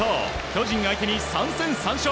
巨人相手に３戦３勝。